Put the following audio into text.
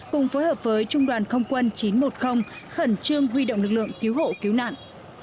cùng phối hợp với trung đoàn không quân chín trăm một mươi khẩn trương huy động lực lượng cứu hộ cứu nạn